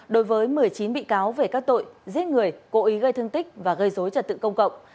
đối với một mươi chín bị cáo về các tội giết người cố ý gây thương tích và gây dối trật tự công cộng